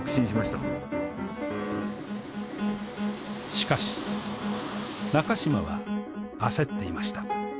しかし中島は焦っていました